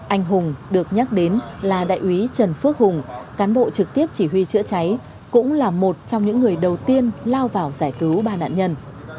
anh hùng được nhắc đến là đại úy trần phước hùng cán bộ trực tiếp chỉ huy chữa cháy cũng là một trong những người đầu tiên lao vào giải cứu ba nạn nhân